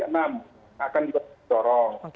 akan juga kita dorong